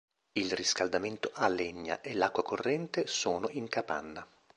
Il riscaldamento a legna e l'acqua corrente sono in capanna.